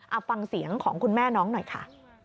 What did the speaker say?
เอาฟังเสียงของคุณแม่น้องหน่อยค่ะ